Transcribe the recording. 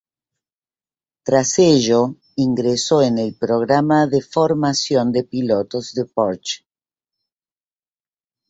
Tras ello, ingresó en el programa de formación de pilotos de Porsche.